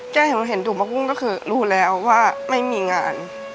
แก่เห็นตูกผักบุ้งก็คือรู้แล้วว่าไม่มีงาน